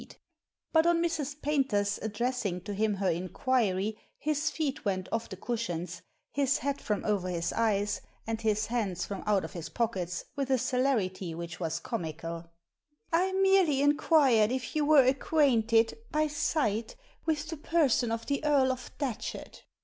But on Mrs. Paynta's addressing to him her inquiry his feet went off the cushions, his hat from over his eyes, and his hands from out of his pockets with a celerity which was comical "I merely inquired if you were acquainted, by sight, with the person of tiie Earl of Datchet."